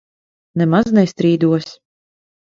Nemaz nestrīdos.